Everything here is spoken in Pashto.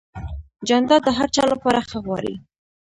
جانداد د هر چا لپاره ښه غواړي.